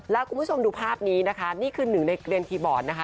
แล้วคุณผู้ชมดูภาพนี้นะคะนี่คือหนึ่งในเกลียนคีย์บอร์ดนะคะ